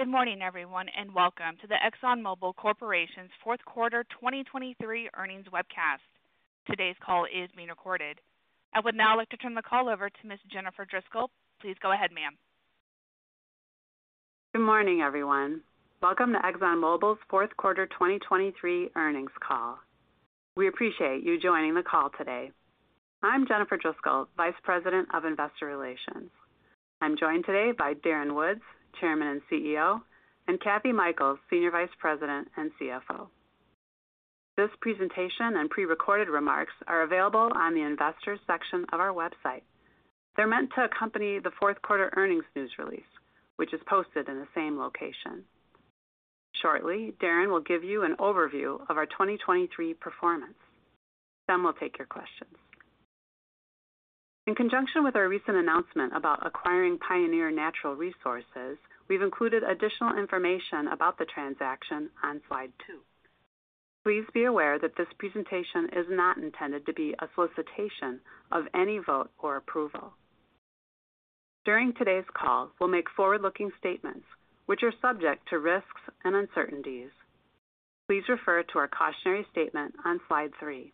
Good morning, everyone, and welcome to the ExxonMobil Corporation's fourth quarter 2023 earnings webcast. Today's call is being recorded. I would now like to turn the call over to Miss Jennifer Driscoll. Please go ahead, ma'am. Good morning, everyone. Welcome to ExxonMobil's fourth quarter 2023 earnings call. We appreciate you joining the call today. I'm Jennifer Driscoll, Vice President of Investor Relations. I'm joined today by Darren Woods, Chairman and CEO, and Kathy Mikells, Senior Vice President and CFO. This presentation and prerecorded remarks are available on the Investors section of our website. They're meant to accompany the fourth quarter earnings news release, which is posted in the same location. Shortly, Darren will give you an overview of our 2023 performance, then we'll take your questions. In conjunction with our recent announcement about acquiring Pioneer Natural Resources, we've included additional information about the transaction on slide 2. Please be aware that this presentation is not intended to be a solicitation of any vote or approval. During today's call, we'll make forward-looking statements which are subject to risks and uncertainties. Please refer to our cautionary statement on slide 3.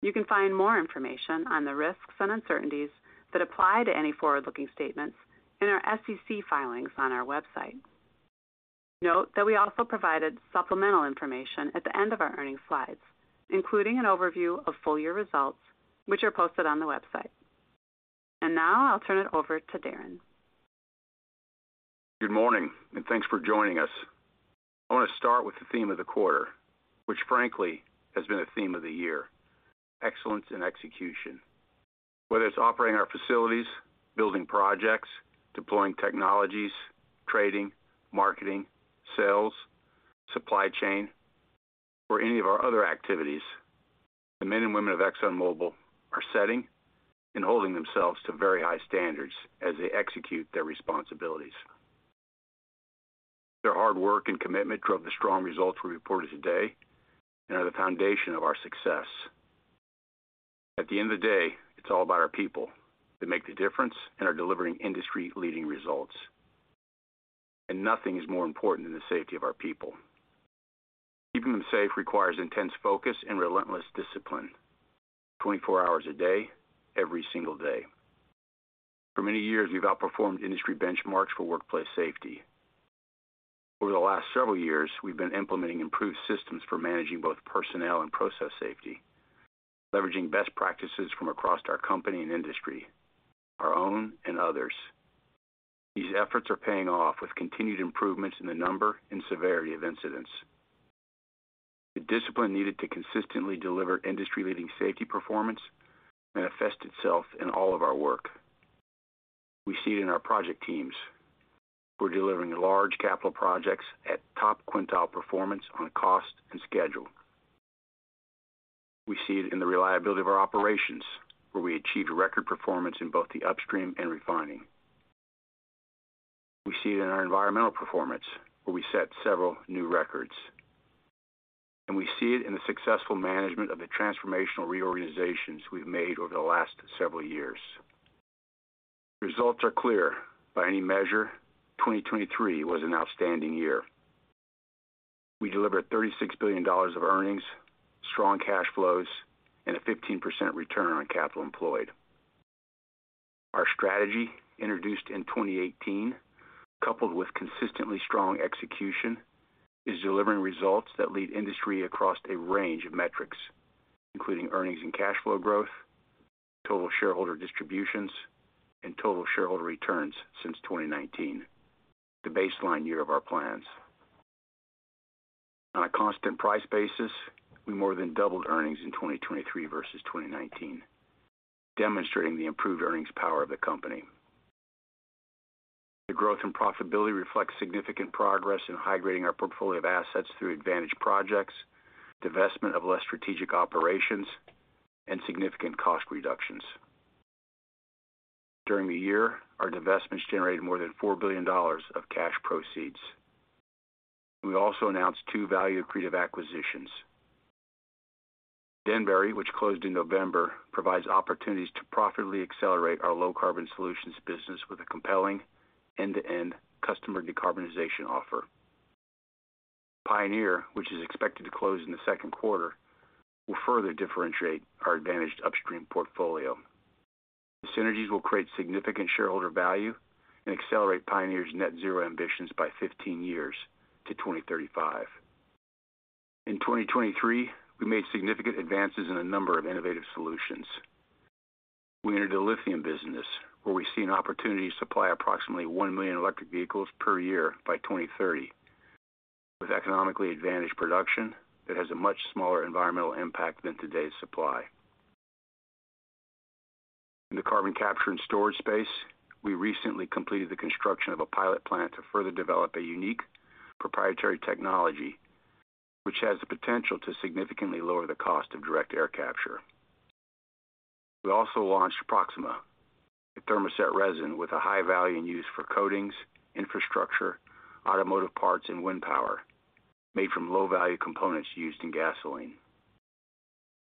You can find more information on the risks and uncertainties that apply to any forward-looking statements in our SEC filings on our website. Note that we also provided supplemental information at the end of our earnings slides, including an overview of full year results, which are posted on the website. Now I'll turn it over to Darren. Good morning, and thanks for joining us. I want to start with the theme of the quarter, which frankly has been a theme of the year, excellence in execution. Whether it's operating our facilities, building projects, deploying technologies, trading, marketing, sales, supply chain, or any of our other activities, the men and women of ExxonMobil are setting and holding themselves to very high standards as they execute their responsibilities. Their hard work and commitment drove the strong results we reported today and are the foundation of our success. At the end of the day, it's all about our people that make the difference and are delivering industry-leading results. And nothing is more important than the safety of our people. Keeping them safe requires intense focus and relentless discipline, twenty-four hours a day, every single day. For many years, we've outperformed industry benchmarks for workplace safety. Over the last several years, we've been implementing improved systems for managing both personnel and process safety, leveraging best practices from across our company and industry, our own and others. These efforts are paying off with continued improvements in the number and severity of incidents. The discipline needed to consistently deliver industry-leading safety performance manifests itself in all of our work. We see it in our project teams. We're delivering large capital projects at top quintile performance on cost and schedule. We see it in the reliability of our operations, where we achieved a record performance in both the upstream and refining. We see it in our environmental performance, where we set several new records, and we see it in the successful management of the transformational reorganizations we've made over the last several years. Results are clear. By any measure, 2023 was an outstanding year. We delivered $36 billion of earnings, strong cash flows, and a 15% return on capital employed. Our strategy, introduced in 2018, coupled with consistently strong execution, is delivering results that lead industry across a range of metrics, including earnings and cash flow growth, total shareholder distributions, and total shareholder returns since 2019, the baseline year of our plans. On a constant price basis, we more than doubled earnings in 2023 versus 2019, demonstrating the improved earnings power of the company. The growth in profitability reflects significant progress in high-grading our portfolio of assets through advantage projects, divestment of less strategic operations, and significant cost reductions. During the year, our divestments generated more than $4 billion of cash proceeds. We also announced two value-accretive acquisitions. Denbury, which closed in November, provides opportunities to profitably accelerate our Low Carbon Solutions business with a compelling end-to-end customer decarbonization offer. Pioneer, which is expected to close in the second quarter, will further differentiate our advantaged upstream portfolio. The synergies will create significant shareholder value and accelerate Pioneer's net zero ambitions by 15 years to 2035. In 2023, we made significant advances in a number of innovative solutions. We entered a lithium business where we see an opportunity to supply approximately 1 million electric vehicles per year by 2030, with economically advantaged production that has a much smaller environmental impact than today's supply. In the carbon capture and storage space, we recently completed the construction of a pilot plant to further develop a unique proprietary technology, which has the potential to significantly lower the cost of direct air capture. We also launched Proxima, a thermoset resin with a high value and use for coatings, infrastructure, automotive parts, and wind power made from low-value components used in gasoline.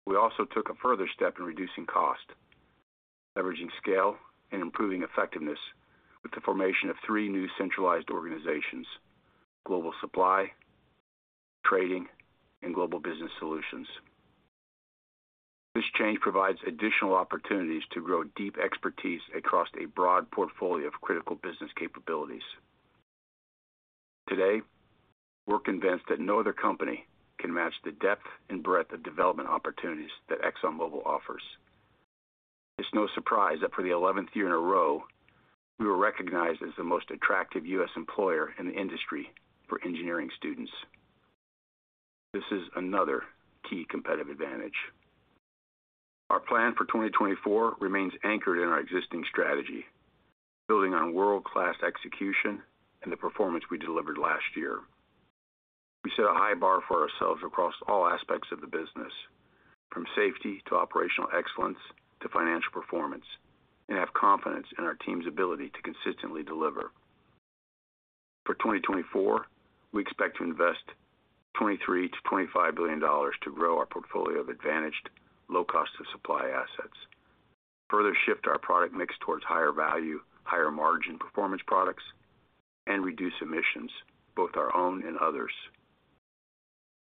We also took a further step in reducing cost, leveraging scale and improving effectiveness with the formation of three new centralized organizations, Global Supply, Trading, and Global Business Solutions. This change provides additional opportunities to grow deep expertise across a broad portfolio of critical business capabilities. Today, we're convinced that no other company can match the depth and breadth of development opportunities that ExxonMobil offers. It's no surprise that for the eleventh year in a row, we were recognized as the most attractive U.S. employer in the industry for engineering students. This is another key competitive advantage. Our plan for 2024 remains anchored in our existing strategy, building on world-class execution and the performance we delivered last year. We set a high bar for ourselves across all aspects of the business, from safety to operational excellence to financial performance, and have confidence in our team's ability to consistently deliver. For 2024, we expect to invest $23 billion-$25 billion to grow our portfolio of advantaged low cost of supply assets, further shift our product mix towards higher value, higher margin performance products, and reduce emissions, both our own and others.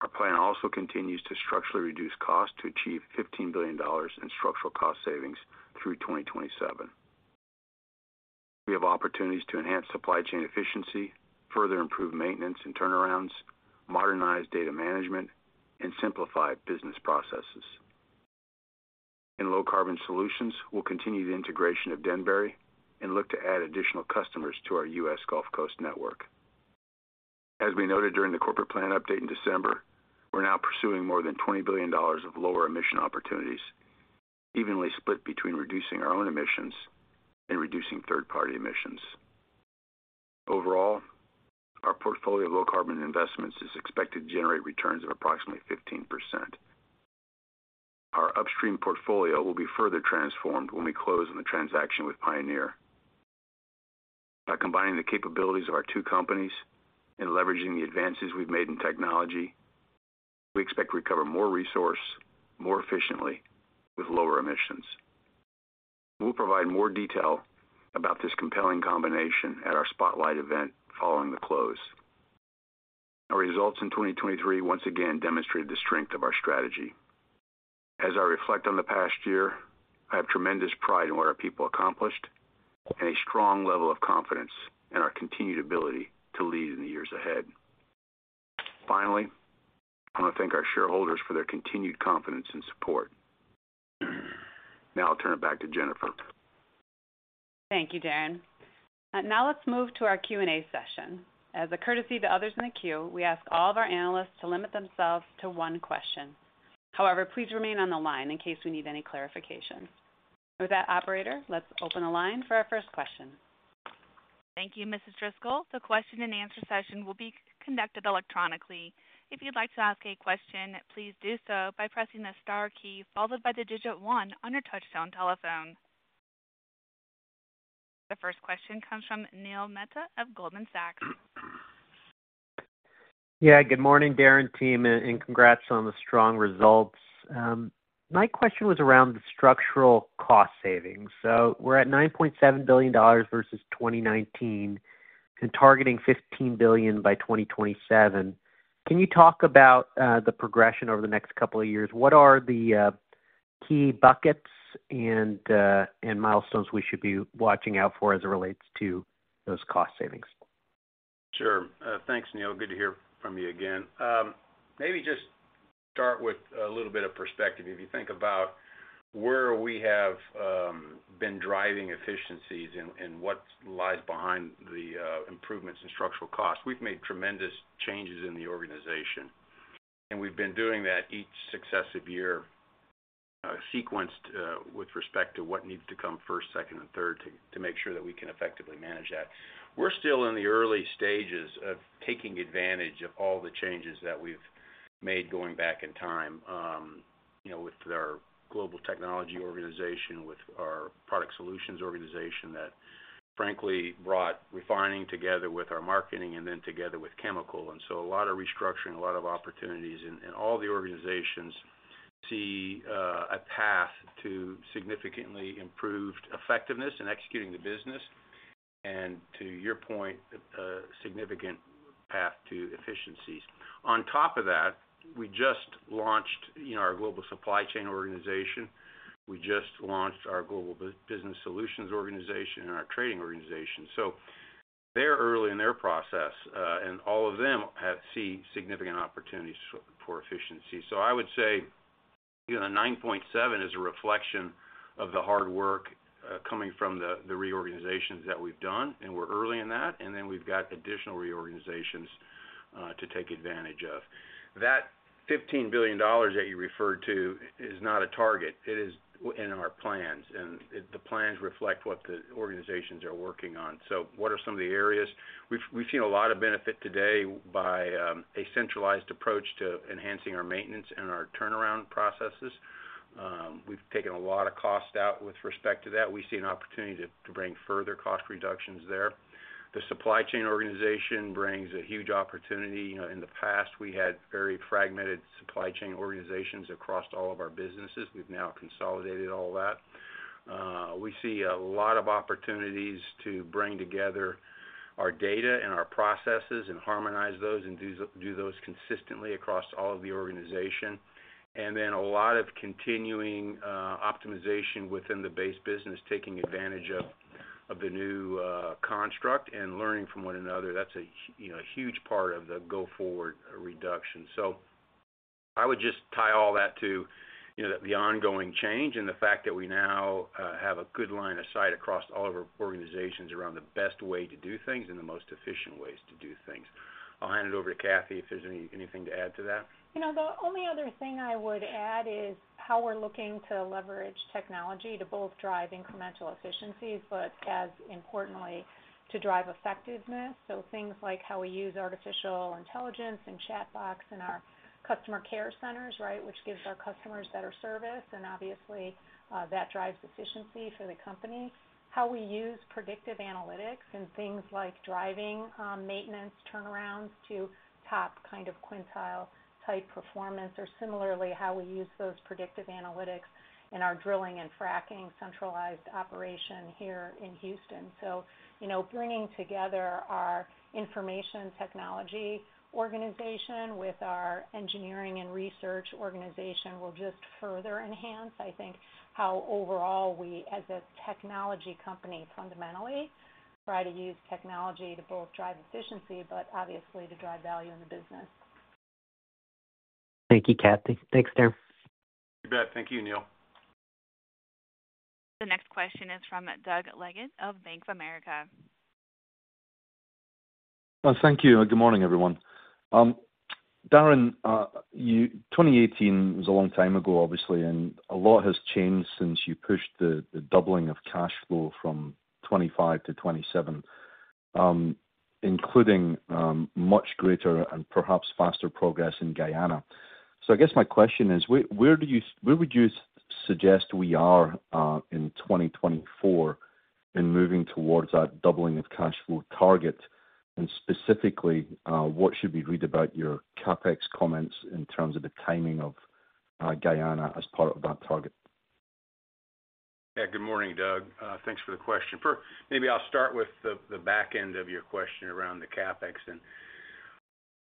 Our plan also continues to structurally reduce costs to achieve $15 billion in structural cost savings through 2027. We have opportunities to enhance supply chain efficiency, further improve maintenance and turnarounds, modernize data management, and simplify business processes. In low carbon solutions, we'll continue the integration of Denbury and look to add additional customers to our U.S. Gulf Coast network. As we noted during the corporate plan update in December, we're now pursuing more than $20 billion of lower emission opportunities, evenly split between reducing our own emissions and reducing third-party emissions. Overall, our portfolio of low carbon investments is expected to generate returns of approximately 15%. Our upstream portfolio will be further transformed when we close on the transaction with Pioneer. By combining the capabilities of our two companies and leveraging the advances we've made in technology, we expect to recover more resource, more efficiently with lower emissions. We'll provide more detail about this compelling combination at our spotlight event following the close. Our results in 2023 once again demonstrated the strength of our strategy. As I reflect on the past year, I have tremendous pride in what our people accomplished and a strong level of confidence in our continued ability to lead in the years ahead. Finally, I want to thank our shareholders for their continued confidence and support. Now I'll turn it back to Jennifer. Thank you, Darren. Now let's move to our Q&A session. As a courtesy to others in the queue, we ask all of our analysts to limit themselves to one question. However, please remain on the line in case we need any clarification. With that, operator, let's open the line for our first question. Thank you, Mrs. Driscoll. The question-and-answer session will be conducted electronically. If you'd like to ask a question, please do so by pressing the star key followed by the digit one on your touchtone telephone. The first question comes from Neil Mehta of Goldman Sachs. Yeah, good morning, Darren team, and congrats on the strong results. My question was around the structural cost savings. So we're at $9.7 billion versus 2019 and targeting $15 billion by 2027. Can you talk about the progression over the next couple of years? What are the key buckets and milestones we should be watching out for as it relates to those cost savings? Sure. Thanks, Neil. Good to hear from you again. Maybe just start with a little bit of perspective. If you think about where we have been driving efficiencies and what lies behind the improvements in structural costs, we've made tremendous changes in the organization, and we've been doing that each successive year, sequenced, with respect to what needs to come first, second, and third, to make sure that we can effectively manage that. We're still in the early stages of taking advantage of all the changes that we've made going back in time, you know, with our global technology organization, with our product solutions organization, that frankly brought refining together with our marketing and then together with chemical. So a lot of restructuring, a lot of opportunities, and all the organizations see a path to significantly improved effectiveness in executing the business, and to your point, a significant path to efficiencies. On top of that, we just launched, you know, our Global Supply Chain Organization. We just launched our Global Business Solutions Organization and our Trading Organization. So they're early in their process, and all of them have seen significant opportunities for efficiency. So I would say, you know, the 9.7 is a reflection of the hard work coming from the reorganizations that we've done, and we're early in that, and then we've got additional reorganizations to take advantage of. That $15 billion that you referred to is not a target, it is in our plans, and the plans reflect what the organizations are working on. So what are some of the areas? We've seen a lot of benefit today by a centralized approach to enhancing our maintenance and our turnaround processes. We've taken a lot of cost out with respect to that. We see an opportunity to bring further cost reductions there. The supply chain organization brings a huge opportunity. You know, in the past, we had very fragmented supply chain organizations across all of our businesses. We've now consolidated all that. We see a lot of opportunities to bring together our data and our processes and harmonize those, and do those consistently across all of the organization. And then a lot of continuing optimization within the base business, taking advantage of the new construct and learning from one another. That's you know, a huge part of the go-forward reduction. So I would just tie all that to, you know, the ongoing change and the fact that we now have a good line of sight across all of our organizations around the best way to do things and the most efficient ways to do things. I'll hand it over to Kathy, if there's anything to add to that. You know, the only other thing I would add is how we're looking to leverage technology to both drive incremental efficiencies, but as importantly, to drive effectiveness. So things like how we use artificial intelligence and chat box in our customer care centers, right? Which gives our customers better service, and obviously, that drives efficiency for the company. How we use predictive analytics and things like driving maintenance turnarounds to top kind of quintile-type performance, or similarly, how we use those predictive analytics in our drilling and fracking centralized operation here in Houston. So, you know, bringing together our information technology organization with our engineering and research organization will just further enhance, I think, how overall we, as a technology company, fundamentally, try to use technology to both drive efficiency, but obviously to drive value in the business. Thank you, Kathy. Thanks, Darren. You bet. Thank you, Neil. The next question is from Doug Leggate of Bank of America. Thank you, and good morning, everyone. Darren, 2018 was a long time ago, obviously, and a lot has changed since you pushed the doubling of cash flow from 2025-2027, including much greater and perhaps faster progress in Guyana. So I guess my question is: where would you suggest we are in 2024 in moving towards that doubling of cash flow target? And specifically, what should we read about your CapEx comments in terms of the timing of Guyana as part of that target? Yeah, good morning, Doug. Thanks for the question. Maybe I'll start with the back end of your question around the CapEx. And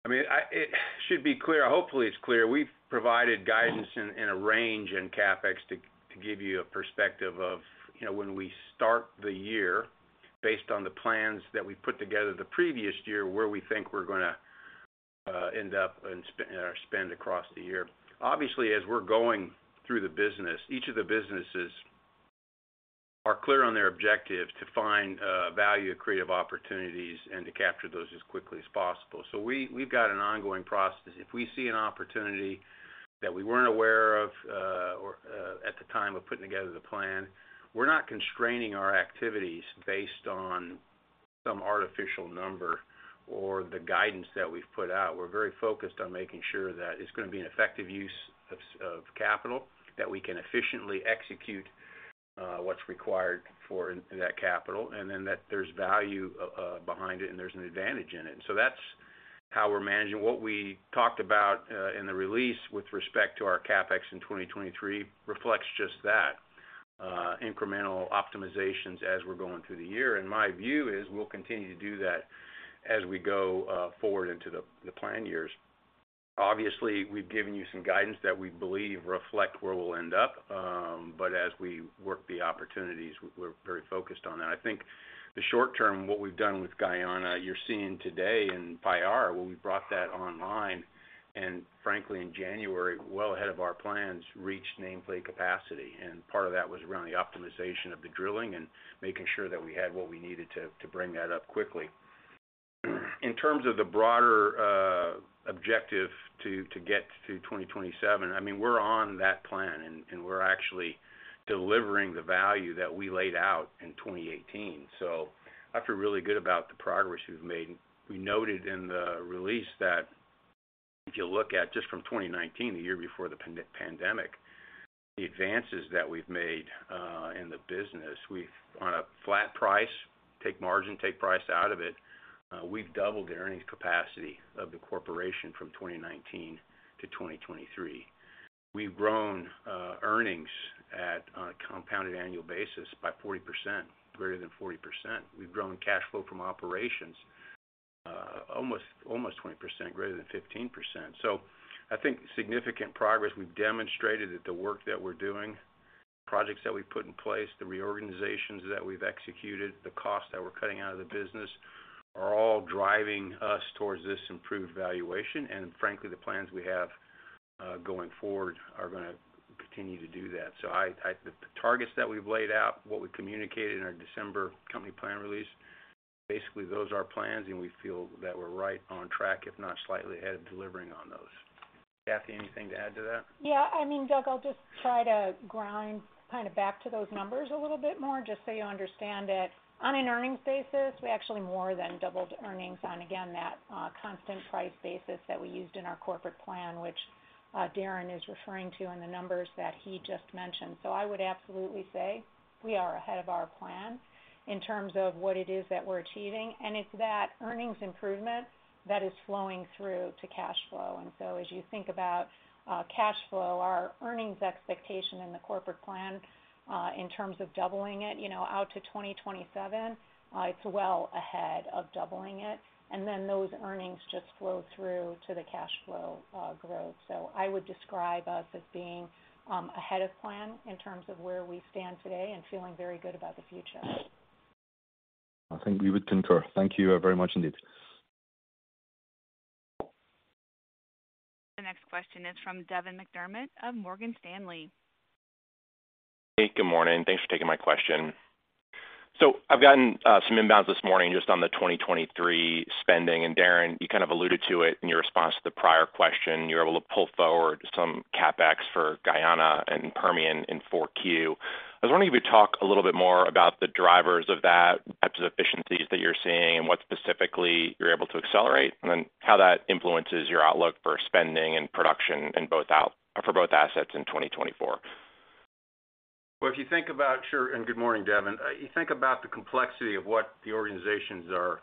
I mean, it should be clear, hopefully, it's clear, we've provided guidance in a range in CapEx to give you a perspective of, you know, when we start the year, based on the plans that we put together the previous year, where we think we're gonna end up and spend across the year. Obviously, as we're going through the business, each of the businesses are clear on their objective to find value accretive opportunities and to capture those as quickly as possible. So we, we've got an ongoing process. If we see an opportunity that we weren't aware of at the time of putting together the plan, we're not constraining our activities based on some artificial number or the guidance that we've put out. We're very focused on making sure that it's gonna be an effective use of capital, that we can efficiently execute what's required for that capital, and then that there's value behind it, and there's an advantage in it. So that's how we're managing. What we talked about in the release with respect to our CapEx in 2023 reflects just that, incremental optimizations as we're going through the year. And my view is, we'll continue to do that as we go forward into the plan years. Obviously, we've given you some guidance that we believe reflect where we'll end up, but as we work the opportunities, we're very focused on that. I think the short term, what we've done with Guyana, you're seeing today in Payara, where we brought that online, and frankly, in January, well ahead of our plans, reached nameplate capacity. And part of that was around the optimization of the drilling and making sure that we had what we needed to bring that up quickly. In terms of the broader objective to get to 2027, I mean, we're on that plan, and we're actually delivering the value that we laid out in 2018. So I feel really good about the progress we've made. We noted in the release that if you look at just from 2019, the year before the pandemic, the advances that we've made in the business. On a flat price, take margin, take price out of it, we've doubled the earnings capacity of the corporation from 2019-2023. We've grown earnings at a compounded annual basis by 40%, greater than 40%. We've grown cash flow from operations almost 20%, greater than 15%. So I think significant progress. We've demonstrated that the work that we're doing, projects that we've put in place, the reorganizations that we've executed, the costs that we're cutting out of the business, are all driving us towards this improved valuation. And frankly, the plans we have going forward are gonna continue to do that. The targets that we've laid out, what we communicated in our December company plan release, basically, those are our plans, and we feel that we're right on track, if not slightly ahead of delivering on those. Kathy, anything to add to that? Yeah, I mean, Doug, I'll just try to grind kind of back to those numbers a little bit more, just so you understand that on an earnings basis, we actually more than doubled earnings on, again, that constant price basis that we used in our corporate plan, which Darren is referring to in the numbers that he just mentioned. So I would absolutely say we are ahead of our plan in terms of what it is that we're achieving, and it's that earnings improvement that is flowing through to cash flow. And so as you think about cash flow, our earnings expectation in the corporate plan in terms of doubling it, you know, out to 2027, it's well ahead of doubling it, and then those earnings just flow through to the cash flow growth. I would describe us as being ahead of plan in terms of where we stand today and feeling very good about the future. I think we would concur. Thank you very much indeed. The next question is from Devin McDermott of Morgan Stanley. Hey, good morning. Thanks for taking my question. So I've gotten some inbounds this morning just on the 2023 spending, and Darren, you kind of alluded to it in your response to the prior question. You're able to pull forward some CapEx for Guyana and Permian in 4Q. I was wondering if you could talk a little bit more about the drivers of that, types of efficiencies that you're seeing and what specifically you're able to accelerate, and then how that influences your outlook for spending and production in both for both assets in 2024. Sure, and good morning, Devin. You think about the complexity of what the organizations are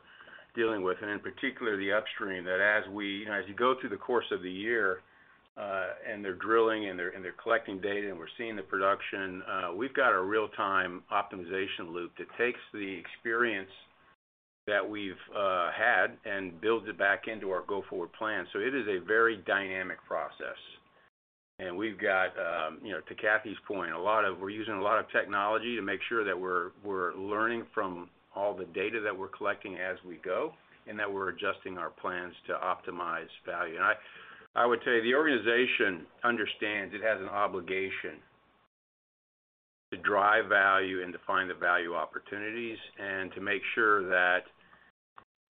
dealing with, and in particular, the upstream, that as we—you know, as you go through the course of the year, and they're drilling and collecting data, and we're seeing the production, we've got a real-time optimization loop that takes the experience that we've had and builds it back into our go-forward plan. So it is a very dynamic process, and we've got, you know, to Kathy's point, a lot of—we're using a lot of technology to make sure that we're learning from all the data that we're collecting as we go, and that we're adjusting our plans to optimize value. And I would tell you, the organization understands it has an obligation to drive value and to find the value opportunities, and to make sure that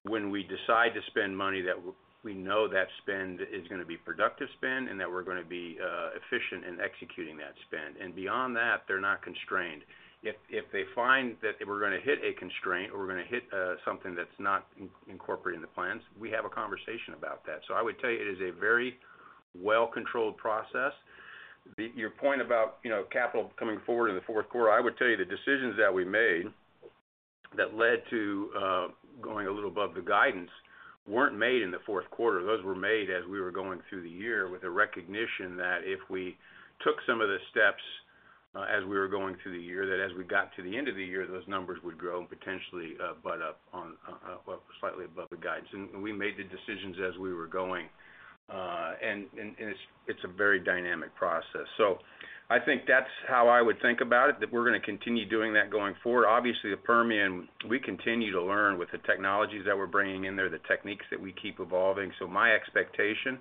when we decide to spend money, that we know that spend is gonna be productive spend, and that we're gonna be efficient in executing that spend. And beyond that, they're not constrained. If they find that we're gonna hit a constraint or we're gonna hit something that's not incorporated in the plans, we have a conversation about that. So I would tell you, it is a very well-controlled process. Your point about, you know, capital coming forward in the fourth quarter, I would tell you the decisions that we made that led to going a little above the guidance weren't made in the fourth quarter. Those were made as we were going through the year with a recognition that if we took some of the steps, as we were going through the year, that as we got to the end of the year, those numbers would grow and potentially butt up on well, slightly above the guidance. And we made the decisions as we were going, and it's a very dynamic process. So I think that's how I would think about it, that we're gonna continue doing that going forward. Obviously, the Permian, we continue to learn with the technologies that we're bringing in there, the techniques that we keep evolving. So my expectation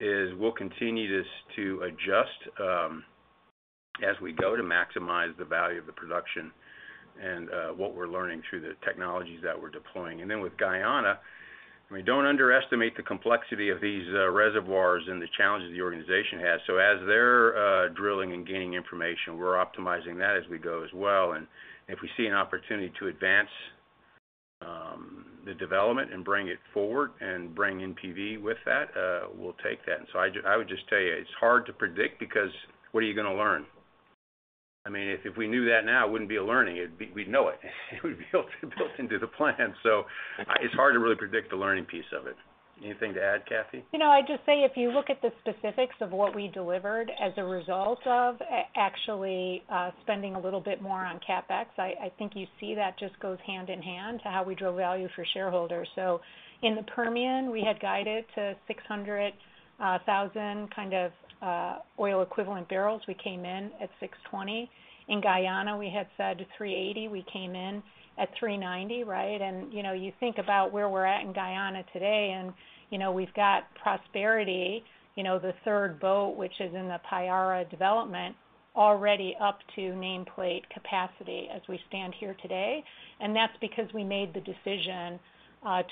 is we'll continue to adjust, as we go to maximize the value of the production and what we're learning through the technologies that we're deploying. And then with Guyana, we don't underestimate the complexity of these reservoirs and the challenges the organization has. So as they're drilling and gaining information, we're optimizing that as we go as well. And if we see an opportunity to advance the development and bring it forward and bring in PV with that, we'll take that. And so I would just tell you, it's hard to predict because what are you gonna learn? I mean, if we knew that now, it wouldn't be a learning. It'd be. We'd know it. It would be built into the plan. So it's hard to really predict the learning piece of it. Anything to add, Kathy? You know, I'd just say, if you look at the specifics of what we delivered as a result of actually spending a little bit more on CapEx, I think you see that just goes hand in hand to how we drove value for shareholders. So in the Permian, we had guided to 600 thousand kind of oil equivalent barrels. We came in at 620. In Guyana, we had said to 380, we came in at 390, right? And, you know, you think about where we're at in Guyana today, and, you know, we've got Prosperity, you know, the third boat, which is in the Payara development, already up to nameplate capacity as we stand here today. That's because we made the decision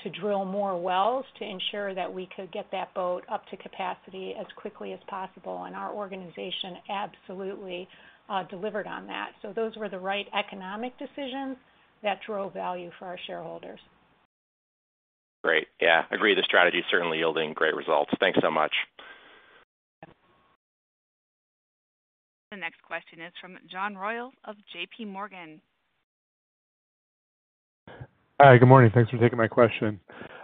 to drill more wells to ensure that we could get that boat up to capacity as quickly as possible, and our organization absolutely delivered on that. Those were the right economic decisions that drove value for our shareholders. Great. Yeah, I agree. The strategy is certainly yielding great results. Thanks so much. The next question is from John Royall of JP Morgan. Hi, good morning. Thanks for taking my question.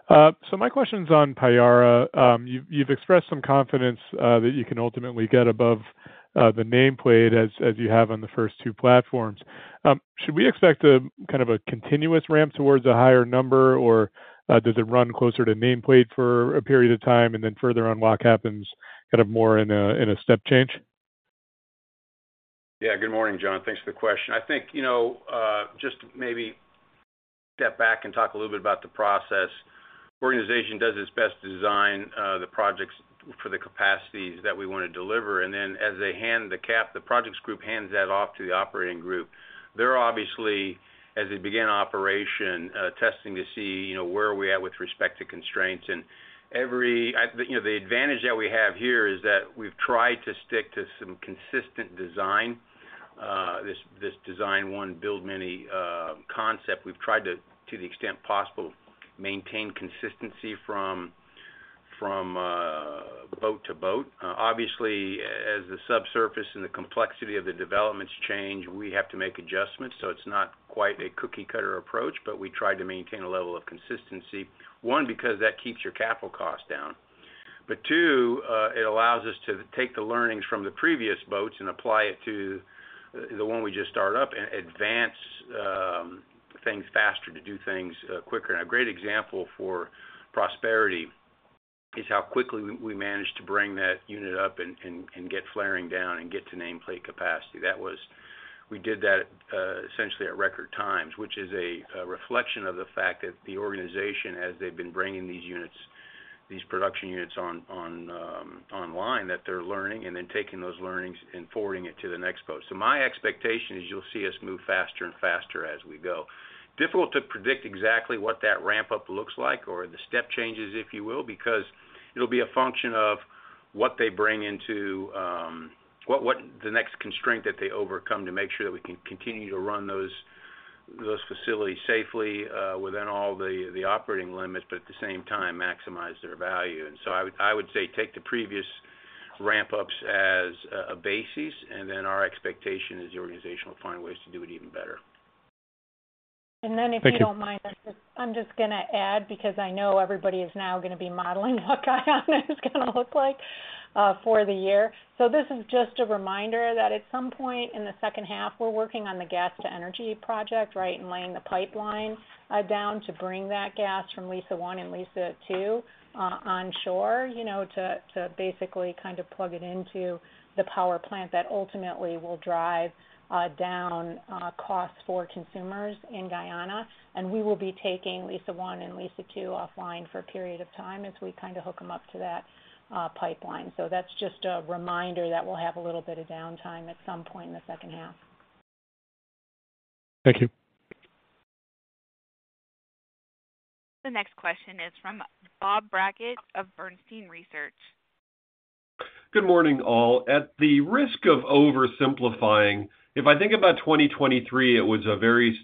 So my question's on Payara. You've expressed some confidence that you can ultimately get above the nameplate as you have on the first two platforms. Should we expect a kind of a continuous ramp towards a higher number, or does it run closer to nameplate for a period of time, and then further unlock happens kind of more in a step change? Yeah, good morning, John. Thanks for the question. I think, you know, just maybe step back and talk a little bit about the process. Organization does its best to design the projects for the capacities that we want to deliver. And then as they hand the cap, the projects group hands that off to the operating group. They're obviously, as they begin operation, testing to see, you know, where are we at with respect to constraints. You know, the advantage that we have here is that we've tried to stick to some consistent design, this design once, build many concept. We've tried to, to the extent possible, maintain consistency from boat to boat. Obviously, as the subsurface and the complexity of the developments change, we have to make adjustments. So it's not quite a cookie-cutter approach, but we try to maintain a level of consistency, one, because that keeps your capital costs down. But two, it allows us to take the learnings from the previous boats and apply it to the one we just start up and advance things faster to do things quicker. A great example for prosperity is how quickly we managed to bring that unit up and get flaring down and get to nameplate capacity. That was—we did that essentially at record times, which is a reflection of the fact that the organization, as they've been bringing these units, these production units on online, that they're learning and then taking those learnings and forwarding it to the next boat. So my expectation is you'll see us move faster and faster as we go. Difficult to predict exactly what that ramp-up looks like or the step changes, if you will, because it'll be a function of what they bring into what the next constraint that they overcome to make sure that we can continue to run those facilities safely within all the operating limits, but at the same time, maximize their value. And so I would say, take the previous ramp-ups as a basis, and then our expectation is the organization will find ways to do it even better. Thank you. And then if you don't mind, I'm just, I'm just gonna add, because I know everybody is now gonna be modeling what Guyana is gonna look like for the year. So this is just a reminder that at some point in the second half, we're working on the gas-to-energy project, right? And laying the pipeline down to bring that gas from Liza One and Liza Two onshore, you know, to to basically kind of plug it into the power plant that ultimately will drive down costs for consumers in Guyana. And we will be taking Liza One and Liza Two offline for a period of time as we kind of hook them up to that pipeline. So that's just a reminder that we'll have a little bit of downtime at some point in the second half. Thank you. The next question is from Bob Brackett of Bernstein Research. Good morning, all. At the risk of oversimplifying, if I think about 2023, it was a very,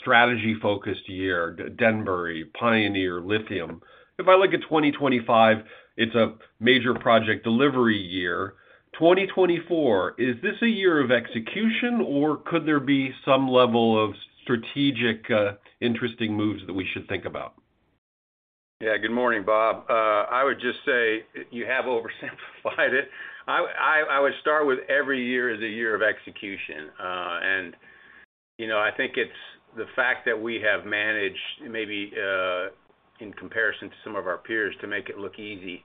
strategy-focused year, Denbury, Pioneer, Lithium. If I look at 2025, it's a major project delivery year. 2024, is this a year of execution, or could there be some level of strategic, interesting moves that we should think about? Yeah. Good morning, Bob. I would just say you have oversimplified it. I would start with every year is a year of execution. And, you know, I think it's the fact that we have managed, maybe, in comparison to some of our peers, to make it look easy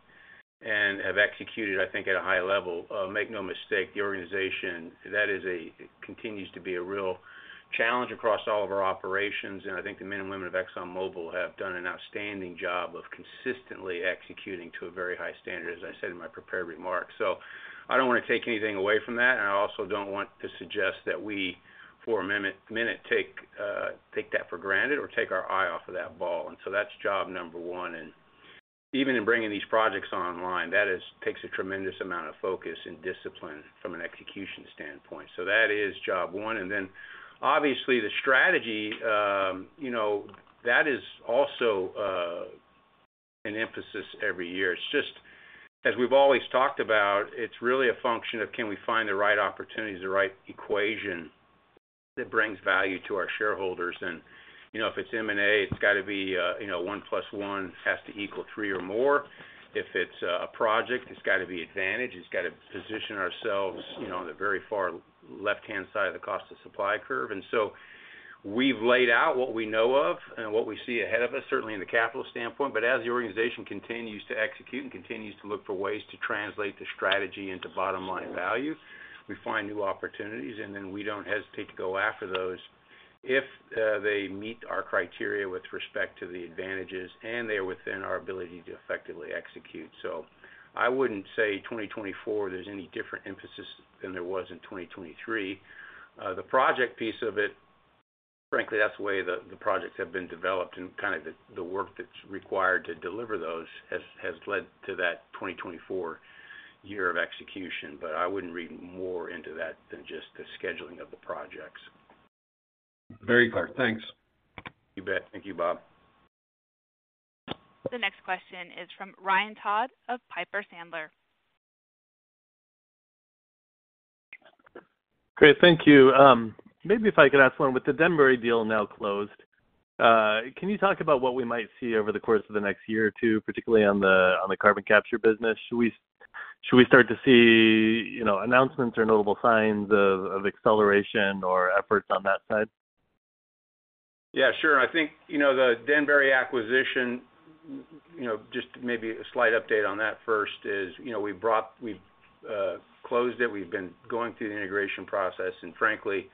and have executed, I think, at a high level. Make no mistake, the organization, that continues to be a real challenge across all of our operations, and I think the men and women of ExxonMobil have done an outstanding job of consistently executing to a very high standard, as I said in my prepared remarks. So I don't want to take anything away from that, and I also don't want to suggest that we, for a moment, take that for granted or take our eye off of that ball. That's job number one. Even in bringing these projects online, that is, takes a tremendous amount of focus and discipline from an execution standpoint. That is job one. Then obviously, the strategy, you know, that is also an emphasis every year. It's just, as we've always talked about, it's really a function of can we find the right opportunities, the right equation that brings value to our shareholders? And, you know, if it's M&A, it's got to be, you know, one plus one has to equal three or more. If it's a project, it's got to be advantage, it's got to position ourselves, you know, on the very far left-hand side of the cost of supply curve. So we've laid out what we know of and what we see ahead of us, certainly in the capital standpoint. But as the organization continues to execute and continues to look for ways to translate the strategy into bottom-line value, we find new opportunities, and then we don't hesitate to go after those if they meet our criteria with respect to the advantages, and they are within our ability to effectively execute. So I wouldn't say 2024, there's any different emphasis than there was in 2023. The project piece of it, frankly, that's the way the projects have been developed and kind of the work that's required to deliver those has led to that 2024 year of execution. But I wouldn't read more into that than just the scheduling of the projects. Very clear. Thanks. You bet. Thank you, Bob. The next question is from Ryan Todd of Piper Sandler. Great, thank you. Maybe if I could ask one, with the Denbury deal now closed, can you talk about what we might see over the course of the next year or two, particularly on the carbon capture business? Should we start to see, you know, announcements or notable signs of acceleration or efforts on that side? Yeah, sure. I think, you know, the Denbury acquisition, you know, just maybe a slight update on that first is, you know, we've closed it. We've been going through the integration process, and frankly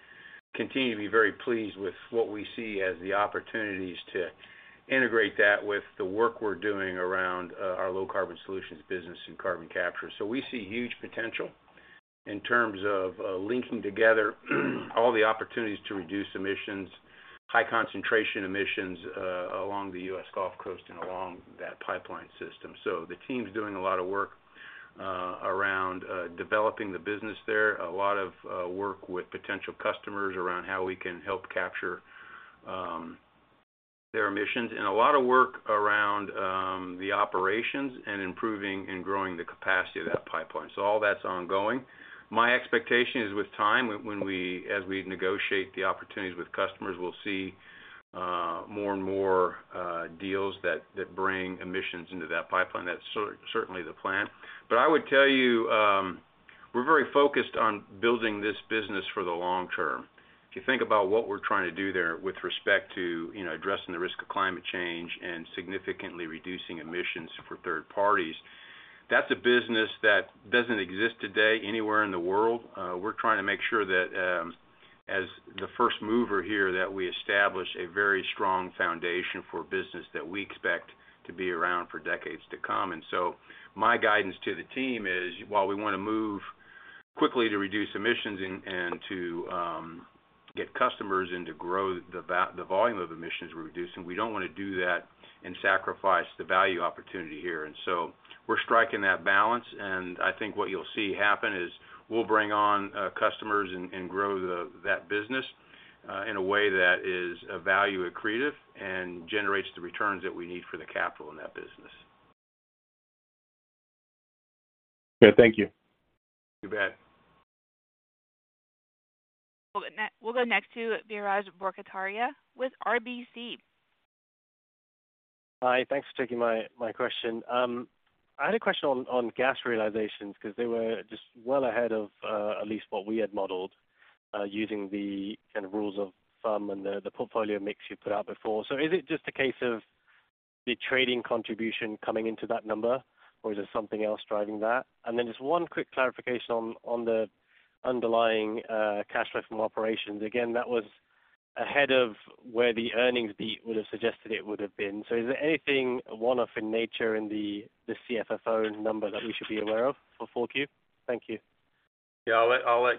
continue to be very pleased with what we see as the opportunities to integrate that with the work we're doing around our low carbon solutions business and carbon capture. So we see huge potential in terms of linking together all the opportunities to reduce emissions, high concentration emissions along the U.S. Gulf Coast and along that pipeline system. So the team's doing a lot of work around developing the business there, a lot of work with potential customers around how we can help capture their emissions, and a lot of work around the operations and improving and growing the capacity of that pipeline. So all that's ongoing. My expectation is with time, when we, as we negotiate the opportunities with customers, we'll see more and more deals that bring emissions into that pipeline. That's certainly the plan. But I would tell you, we're very focused on building this business for the long term. If you think about what we're trying to do there with respect to, you know, addressing the risk of climate change and significantly reducing emissions for third parties, that's a business that doesn't exist today anywhere in the world. We're trying to make sure that, as the first mover here, that we establish a very strong foundation for a business that we expect to be around for decades to come. And so my guidance to the team is, while we want to move quickly to reduce emissions and to get customers and to grow the volume of emissions we're reducing, we don't want to do that and sacrifice the value opportunity here. And so we're striking that balance, and I think what you'll see happen is we'll bring on customers and grow that business in a way that is value accretive and generates the returns that we need for the capital in that business. Okay, thank you. You bet. We'll go next to Biraj Borkhataria with RBC. Hi, thanks for taking my question. I had a question on gas realizations, 'cause they were just well ahead of at least what we had modeled using the kind of rules of thumb and the portfolio mix you put out before. So is it just a case of the trading contribution coming into that number, or is there something else driving that? And then just one quick clarification on the underlying cash flow from operations. Again, that was ahead of where the earnings beat would have suggested it would have been. So is there anything one-off in nature in the CFFO number that we should be aware of for 4Q? Thank you. Yeah, I'll let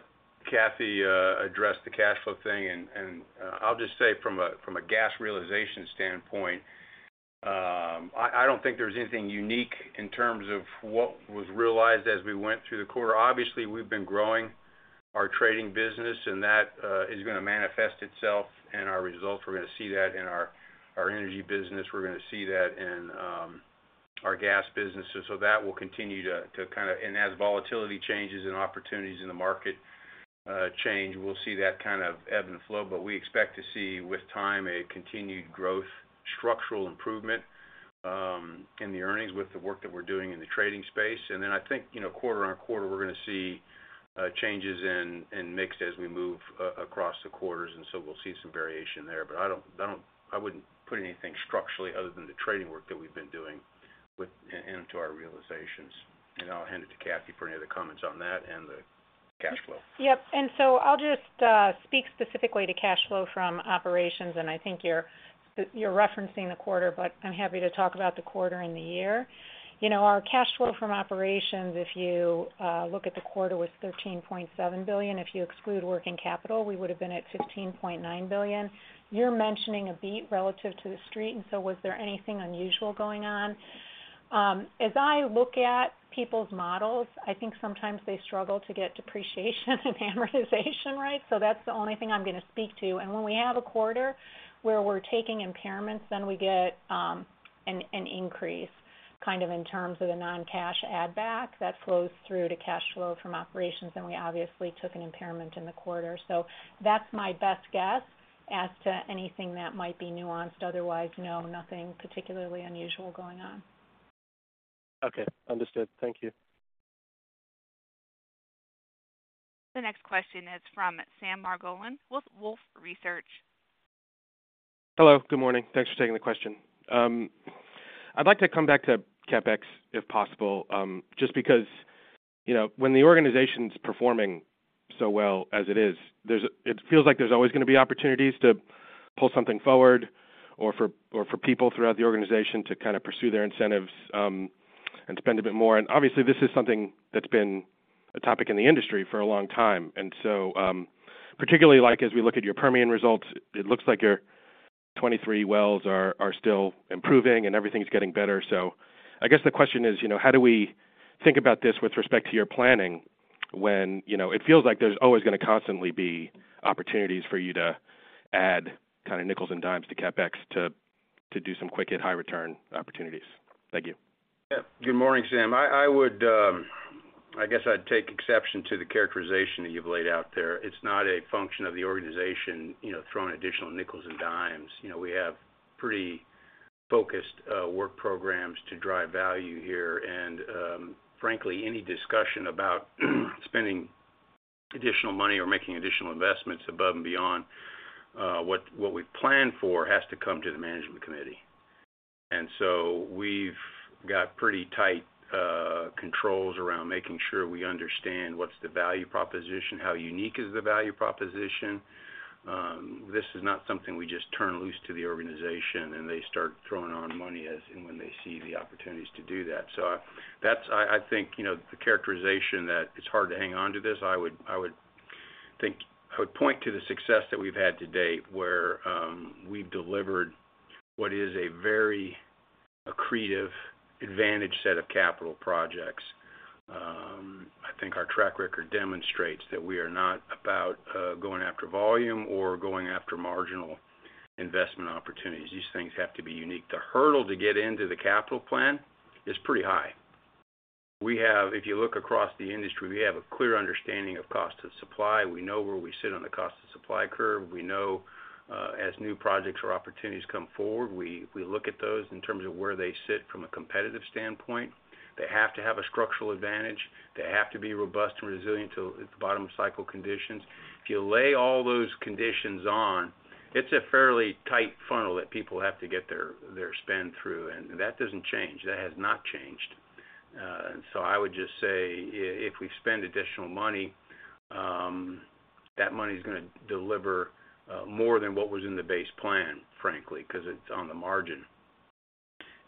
Kathy address the cash flow thing, and I'll just say from a gas realization standpoint, I don't think there's anything unique in terms of what was realized as we went through the quarter. Obviously, we've been growing our trading business, and that is going to manifest itself in our results. We're going to see that in our energy business. We're going to see that in our gas business. So that will continue to kind of... And as volatility changes and opportunities in the market change, we'll see that kind of ebb and flow. But we expect to see, with time, a continued growth, structural improvement in the earnings with the work that we're doing in the trading space. And then I think, you know, quarter on quarter, we're going to see changes in mix as we move across the quarters, and so we'll see some variation there. But I don't, I don't—I wouldn't put anything structurally other than the trading work that we've been doing with into our realizations. And I'll hand it to Kathy for any other comments on that and the cash flow. Yep. And so I'll just speak specifically to cash flow from operations, and I think you're, you're referencing the quarter, but I'm happy to talk about the quarter and the year. You know, our cash flow from operations, if you look at the quarter, was $13.7 billion. If you exclude working capital, we would have been at $15.9 billion. You're mentioning a beat relative to the street, and so was there anything unusual going on? As I look at people's models, I think sometimes they struggle to get depreciation and amortization right. So that's the only thing I'm going to speak to. When we have a quarter where we're taking impairments, then we get an increase, kind of in terms of the non-cash add back that flows through to cash flow from operations, and we obviously took an impairment in the quarter. So that's my best guess as to anything that might be nuanced. Otherwise, no, nothing particularly unusual going on. Okay, understood. Thank you. The next question is from Sam Margolin with Wolfe Research. Hello, good morning. Thanks for taking the question. I'd like to come back to CapEx, if possible, just because, you know, when the organization's performing so well as it is, it feels like there's always going to be opportunities to pull something forward or for people throughout the organization to kind of pursue their incentives, and spend a bit more. And obviously, this is something that's been a topic in the industry for a long time. And so, particularly like as we look at your Permian results, it looks like your 23 wells are still improving and everything's getting better. So I guess the question is, you know, how do we think about this with respect to your planning when, you know, it feels like there's always going to constantly be opportunities for you to add kind of nickels and dimes to CapEx to do some quick and high return opportunities? Thank you. Yeah. Good morning, Sam. I would, I guess I'd take exception to the characterization that you've laid out there. It's not a function of the organization, you know, throwing additional nickels and dimes. You know, we have pretty focused work programs to drive value here, and, frankly, any discussion about spending additional money or making additional investments above and beyond what we've planned for has to come to the management committee... and so we've got pretty tight controls around making sure we understand what's the value proposition? How unique is the value proposition? This is not something we just turn loose to the organization, and they start throwing on money as and when they see the opportunities to do that. So that's, I think, you know, the characterization that it's hard to hang on to this. I would think I would point to the success that we've had to date, where we've delivered what is a very accretive advantage set of capital projects. I think our track record demonstrates that we are not about going after volume or going after marginal investment opportunities. These things have to be unique. The hurdle to get into the capital plan is pretty high. If you look across the industry, we have a clear understanding of cost of supply. We know where we sit on the cost of supply curve. We know as new projects or opportunities come forward, we look at those in terms of where they sit from a competitive standpoint. They have to have a structural advantage. They have to be robust and resilient to the bottom cycle conditions. If you lay all those conditions on, it's a fairly tight funnel that people have to get their spend through, and that doesn't change. That has not changed. And so I would just say, if we spend additional money, that money is gonna deliver more than what was in the base plan, frankly, because it's on the margin.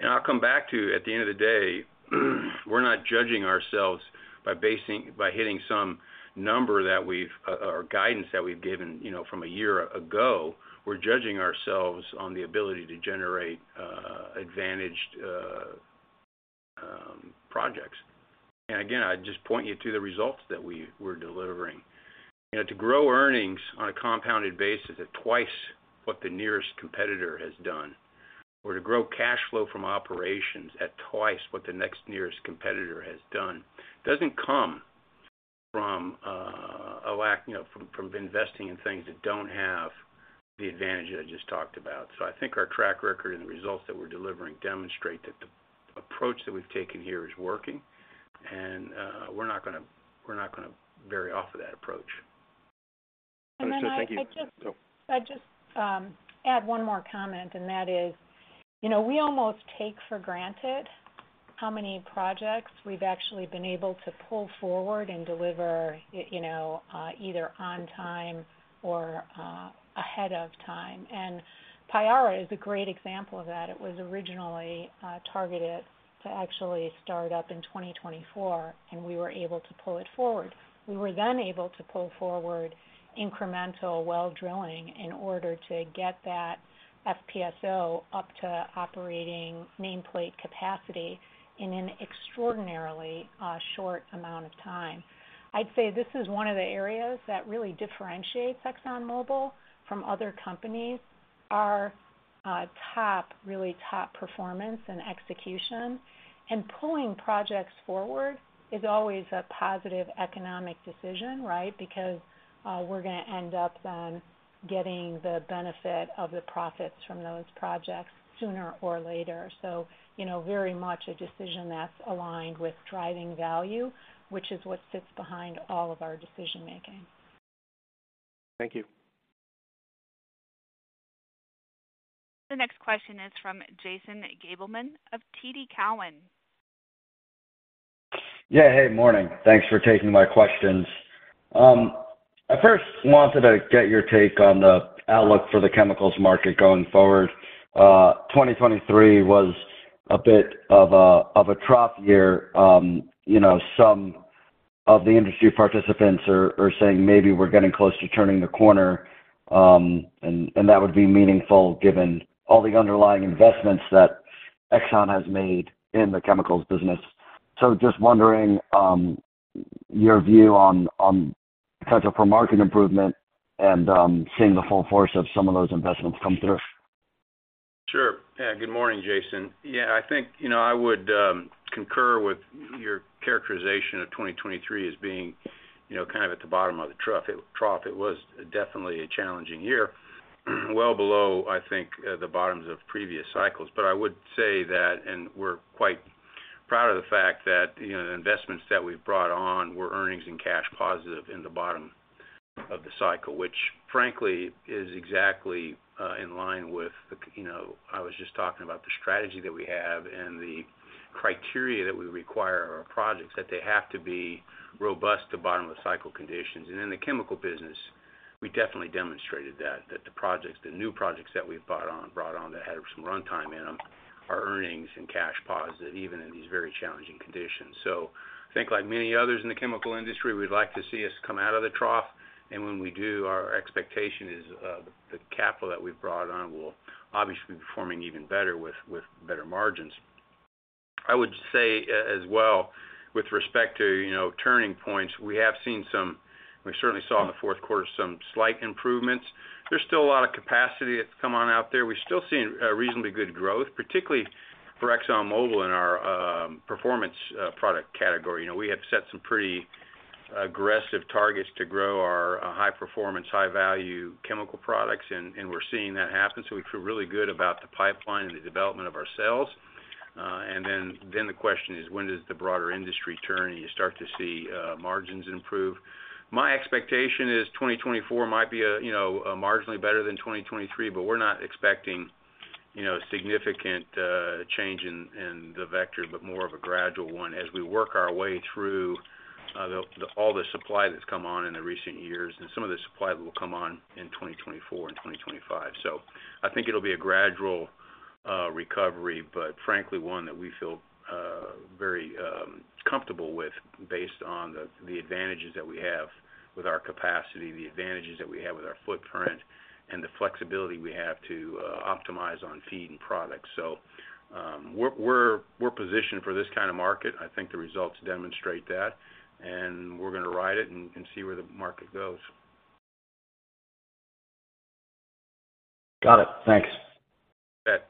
And I'll come back to, at the end of the day, we're not judging ourselves by hitting some number that we've or guidance that we've given, you know, from a year ago. We're judging ourselves on the ability to generate advantaged projects. And again, I'd just point you to the results that we're delivering. You know, to grow earnings on a compounded basis at twice what the nearest competitor has done, or to grow cash flow from operations at twice what the next nearest competitor has done, doesn't come from a lack, you know, from investing in things that don't have the advantage that I just talked about. So I think our track record and the results that we're delivering demonstrate that the approach that we've taken here is working, and we're not gonna vary off of that approach. And then I just- Sir, thank you. I'd just add one more comment, and that is, you know, we almost take for granted how many projects we've actually been able to pull forward and deliver, you know, either on time or ahead of time. And Payara is a great example of that. It was originally targeted to actually start up in 2024, and we were able to pull it forward. We were then able to pull forward incremental well drilling in order to get that FPSO up to operating nameplate capacity in an extraordinarily short amount of time. I'd say this is one of the areas that really differentiates ExxonMobil from other companies, are top, really top performance and execution. And pulling projects forward is always a positive economic decision, right? Because we're gonna end up then getting the benefit of the profits from those projects sooner or later. So, you know, very much a decision that's aligned with driving value, which is what sits behind all of our decision-making. Thank you. The next question is from Jason Gabelman of TD Cowen. Yeah, hey, morning. Thanks for taking my questions. I first wanted to get your take on the outlook for the chemicals market going forward. 2023 was a bit of a trough year. You know, some of the industry participants are saying maybe we're getting close to turning the corner, and that would be meaningful given all the underlying investments that Exxon has made in the chemicals business. So just wondering your view on potential for market improvement and seeing the full force of some of those investments come through. Sure. Yeah. Good morning, Jason. Yeah, I think, you know, I would concur with your characterization of 2023 as being, you know, kind of at the bottom of the trough. It was definitely a challenging year, well below, I think, the bottoms of previous cycles. But I would say that, and we're quite proud of the fact that, you know, the investments that we've brought on were earnings and cash positive in the bottom of the cycle, which, frankly, is exactly in line with, you know, I was just talking about the strategy that we have and the criteria that we require our projects, that they have to be robust to bottom-of-cycle conditions. In the chemical business, we definitely demonstrated that the projects, the new projects that we've brought on that had some runtime in them, are earnings and cash positive, even in these very challenging conditions. I think like many others in the chemical industry, we'd like to see us come out of the trough, and when we do, our expectation is, the capital that we've brought on will obviously be performing even better with better margins. I would say as well, with respect to, you know, turning points, we have seen some we certainly saw in the fourth quarter some slight improvements. There's still a lot of capacity that's come on out there. We're still seeing reasonably good growth, particularly for ExxonMobil in our performance product category. You know, we have set some pretty aggressive targets to grow our high performance, high value chemical products, and, and we're seeing that happen. So we feel really good about the pipeline and the development of our sales... and then the question is, when does the broader industry turn, and you start to see margins improve? My expectation is 2024 might be a, you know, a marginally better than 2023, but we're not expecting, you know, a significant change in the vector, but more of a gradual one as we work our way through the all the supply that's come on in the recent years and some of the supply that will come on in 2024 and 2025. So I think it'll be a gradual recovery, but frankly, one that we feel very comfortable with based on the advantages that we have with our capacity, the advantages that we have with our footprint, and the flexibility we have to optimize on feed and product. So, we're positioned for this kind of market. I think the results demonstrate that, and we're gonna ride it and can see where the market goes. Got it. Thanks. You bet.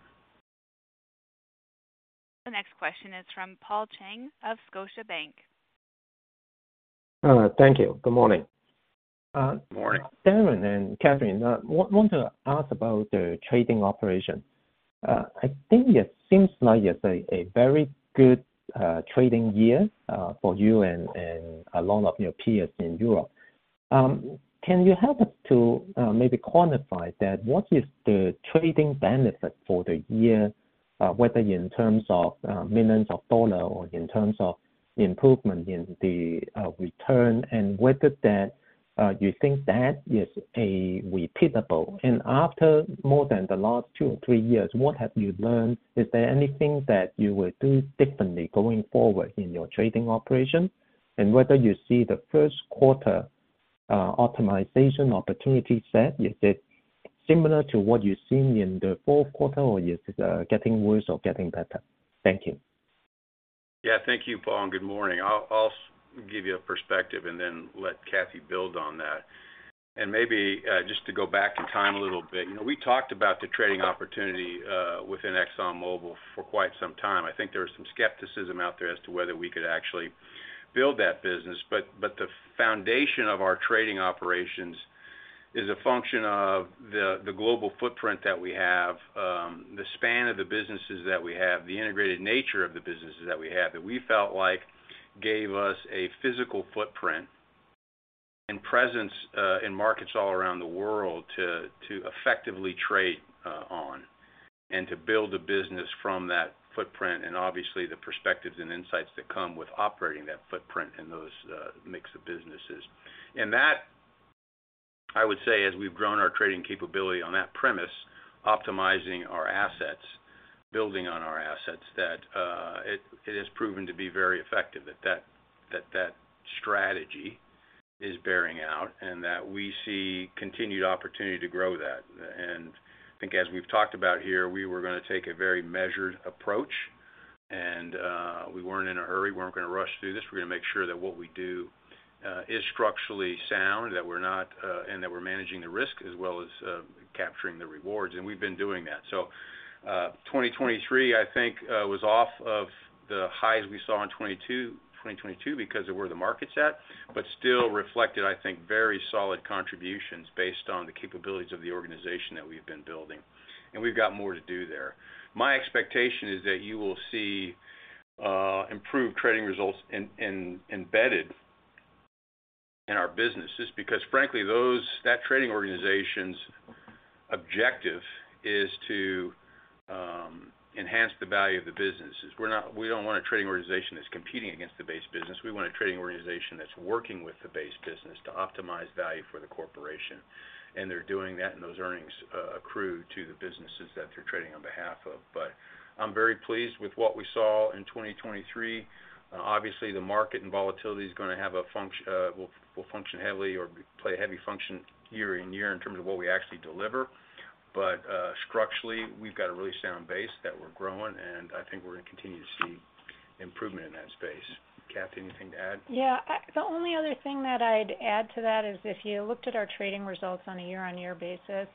The next question is from Paul Cheng of Scotiabank. Thank you. Good morning. Good morning. Darren and Kathryn, want to ask about the trading operation. I think it seems like it's a very good trading year for you and a lot of your peers in Europe. Can you help us to maybe quantify that? What is the trading benefit for the year, whether in terms of millions of dollars or in terms of improvement in the return, and whether that you think that is a repeatable? And after more than the last two or three years, what have you learned? Is there anything that you would do differently going forward in your trading operation? And whether you see the first quarter optimization opportunity set, is it similar to what you've seen in the fourth quarter, or is it getting worse or getting better? Thank you. Yeah, thank you, Paul, and good morning. I'll, I'll give you a perspective and then let Kathy build on that. Maybe, just to go back in time a little bit. You know, we talked about the trading opportunity within ExxonMobil for quite some time. I think there was some skepticism out there as to whether we could actually build that business, but the foundation of our trading operations is a function of the global footprint that we have, the span of the businesses that we have, the integrated nature of the businesses that we have, that we felt like gave us a physical footprint and presence in markets all around the world to effectively trade on, and to build a business from that footprint, and obviously, the perspectives and insights that come with operating that footprint and those mix of businesses. And that, I would say, as we've grown our trading capability on that premise, optimizing our assets, building on our assets, that it has proven to be very effective, that strategy is bearing out and that we see continued opportunity to grow that. And I think as we've talked about here, we were gonna take a very measured approach, and we weren't in a hurry. We weren't gonna rush through this. We're gonna make sure that what we do is structurally sound, that we're not, and that we're managing the risk as well as capturing the rewards, and we've been doing that. So, 2023, I think, was off of the highs we saw in 2022 because of where the market's at, but still reflected, I think, very solid contributions based on the capabilities of the organization that we've been building, and we've got more to do there. My expectation is that you will see improved trading results embedded in our businesses because frankly, that trading organization's objective is to enhance the value of the businesses. We don't want a trading organization that's competing against the base business. We want a trading organization that's working with the base business to optimize value for the corporation, and they're doing that, and those earnings accrue to the businesses that they're trading on behalf of. But I'm very pleased with what we saw in 2023. Obviously, the market and volatility will function heavily or play a heavy function year in year in terms of what we actually deliver. But structurally, we've got a really sound base that we're growing, and I think we're gonna continue to see improvement in that space. Kathy, anything to add? Yeah, the only other thing that I'd add to that is if you looked at our trading results on a year-on-year basis,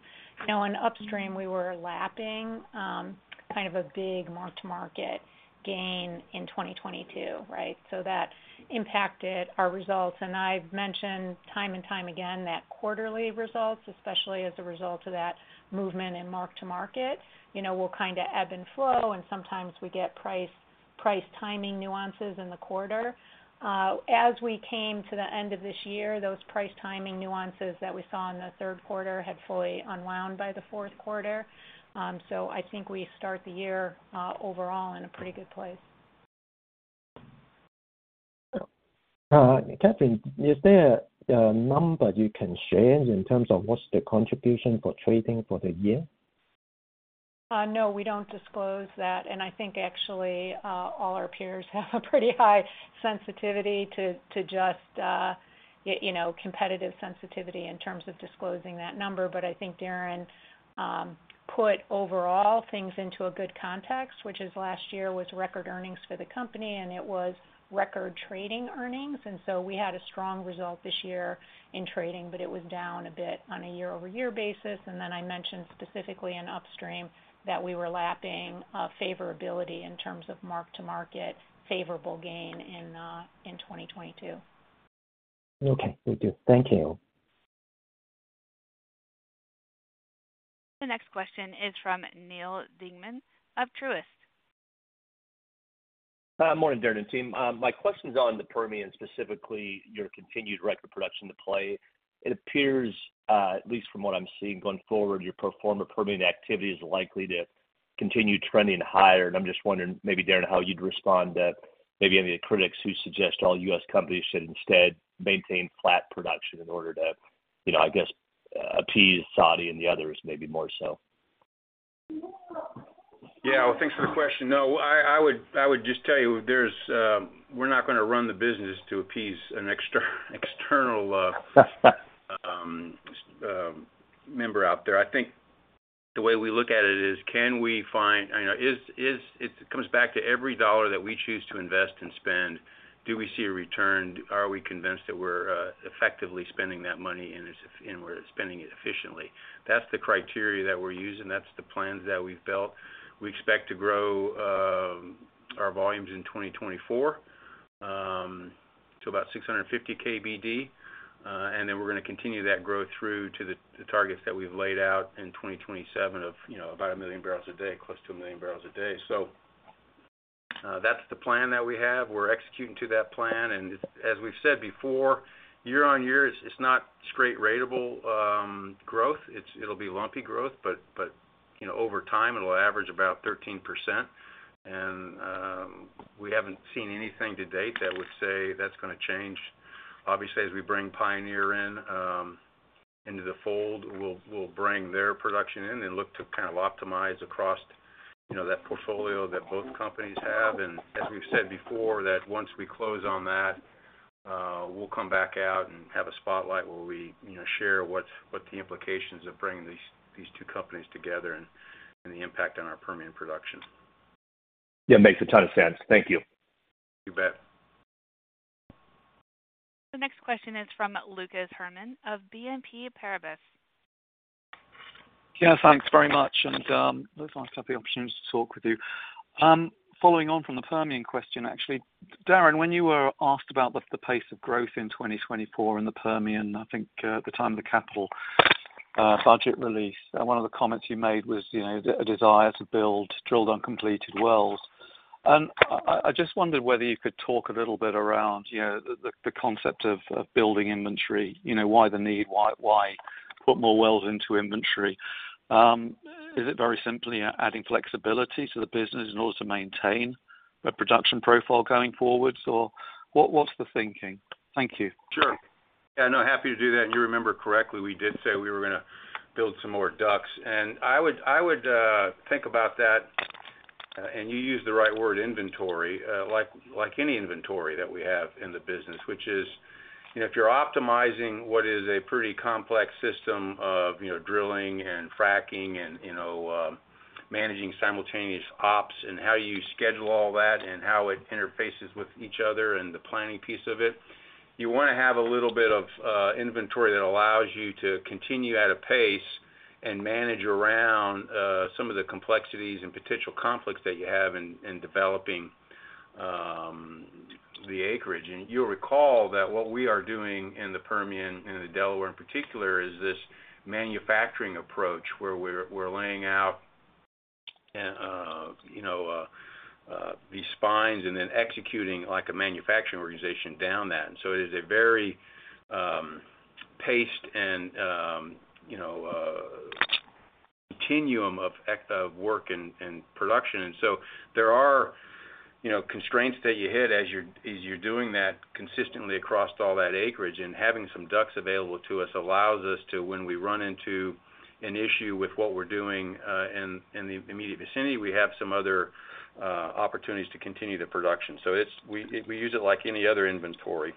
you know, in upstream, we were lapping, kind of a big mark-to-market gain in 2022, right? That impacted our results. I've mentioned time and time again, that quarterly results, especially as a result of that movement in mark-to-market, you know, will kind of ebb and flow, and sometimes we get price timing nuances in the quarter. As we came to the end of this year, those price timing nuances that we saw in the third quarter had fully unwound by the fourth quarter. I think we start the year, overall in a pretty good place. Kathryn, is there a number you can share in terms of what's the contribution for trading for the year? No, we don't disclose that, and I think actually, all our peers have a pretty high sensitivity to, to just, you know, competitive sensitivity in terms of disclosing that number. But I think Darren put overall things into a good context, which is last year was record earnings for the company, and it was record trading earnings. And so we had a strong result this year in trading, but it was down a bit on a year-over-year basis. And then I mentioned specifically in upstream that we were lapping a favorability in terms of mark-to-market favorable gain in, in 2022. Okay, thank you. Thank you. ... The next question is from Neal Dingmann of Truist. Morning, Darren and team. My question is on the Permian, specifically your continued record production two-play. It appears, at least from what I'm seeing going forward, your pro forma Permian activity is likely to continue trending higher. And I'm just wondering, maybe, Darren, how you'd respond to maybe any of the critics who suggest all U.S. companies should instead maintain flat production in order to, you know, I guess, appease Saudi and the others, maybe more so? Yeah, well, thanks for the question. No, I would just tell you we're not going to run the business to appease an external member out there. I think the way we look at it is, you know, it comes back to every dollar that we choose to invest and spend, do we see a return? Are we convinced that we're effectively spending that money, and we're spending it efficiently? That's the criteria that we're using. That's the plans that we've built. We expect to grow our volumes in 2024 to about 650 KBD, and then we're going to continue that growth through to the targets that we've laid out in 2027 of, you know, about 1 million barrels a day, close to 1 million barrels a day. So, that's the plan that we have. We're executing to that plan, and as we've said before, year-on-year, it's not straight ratable growth. It'll be lumpy growth, but you know, over time, it'll average about 13%. We haven't seen anything to date that would say that's going to change. Obviously, as we bring Pioneer into the fold, we'll bring their production in and look to kind of optimize across, you know, that portfolio that both companies have. As we've said before, that once we close on that, we'll come back out and have a spotlight where we, you know, share what the implications of bringing these two companies together and the impact on our Permian production. Yeah, makes a ton of sense. Thank you. You bet. The next question is from Lucas Herrmann of BNP Paribas. Yeah, thanks very much, and, nice to have the opportunity to talk with you. Following on from the Permian question, actually, Darren, when you were asked about the, the pace of growth in 2024 in the Permian, I think, at the time of the capital budget release, one of the comments you made was, you know, a desire to build drilled uncompleted wells. And I just wondered whether you could talk a little bit around, you know, the concept of building inventory, you know, why the need, why put more wells into inventory? Is it very simply adding flexibility to the business in order to maintain a production profile going forward? Or what, what's the thinking? Thank you. Sure. Yeah, no, happy to do that, and you remember correctly, we did say we were going to build some more DUCs. And I would think about that, and you used the right word, inventory, like any inventory that we have in the business, which is, you know, if you're optimizing what is a pretty complex system of, you know, drilling and fracking and, you know, managing simultaneous ops and how you schedule all that and how it interfaces with each other and the planning piece of it, you want to have a little bit of inventory that allows you to continue at a pace and manage around some of the complexities and potential conflicts that you have in developing the acreage. You'll recall that what we are doing in the Permian and in the Delaware, in particular, is this manufacturing approach, where we're laying out, you know, these spines and then executing like a manufacturing organization down that. So it is a very paced and, you know, continuum of work and production. So there are, you know, constraints that you hit as you're doing that consistently across all that acreage, and having some DUCs available to us allows us to, when we run into an issue with what we're doing in the immediate vicinity, we have some other opportunities to continue the production. So it's. We use it like any other inventory.